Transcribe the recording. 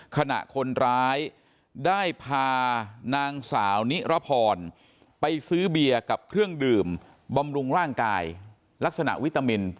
ขณะคนร้ายได้พานางสาวนิรพรไปซื้อเบียร์กับเครื่องดื่มบำรุงร่างกายลักษณะวิตามิน